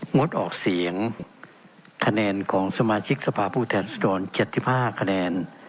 งดออกเสียงคะแนนของสมาชิกสภาพผู้แทนรัศดร๗๕คะแนน